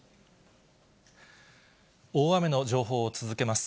大雨の情報を続けます。